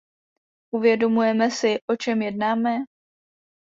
Uvědomujeme si, o čem jednáme?